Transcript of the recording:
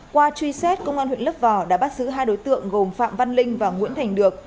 qua truy xét công an huyện lấp vò đã bắt giữ hai đối tượng gồm phạm văn linh và nguyễn thành được